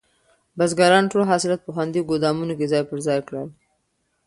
بزګرانو ټول حاصلات په خوندي ګودامونو کې ځای پر ځای کړل.